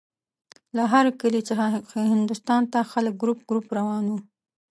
له هر کلي څخه هندوستان ته خلک ګروپ ګروپ روان وو.